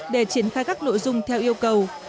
để triển khai các nội dung theo yêu cầu